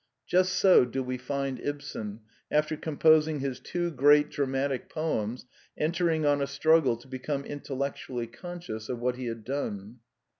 Just so do we find Ibsen, after composing his two great dramatic poems, entering on a struggle to be come intellectually conscious of what he had done.